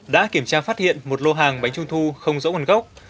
đã kiểm tra phát hiện một lô hàng bánh trung thu không rõ nguồn gốc